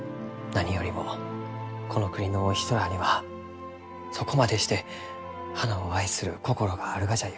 何よりもこの国のお人らあにはそこまでして花を愛する心があるがじゃゆうて。